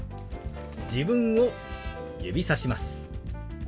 自分を指さします。